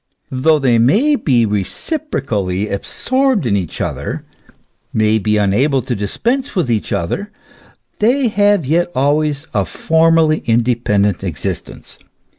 Though they may be reciprocally absorbed in each other, may be unable to dispense with each other, they have yet always a formally independent existence.